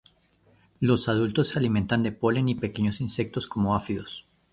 Los adultos se alimentan de polen y pequeños insectos como áfidos.